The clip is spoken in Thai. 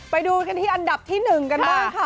ไปดูกันที่อันดับที่๑กันบ้างค่ะ